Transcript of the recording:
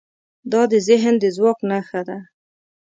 دا د ذهن د ځواک نښه ده.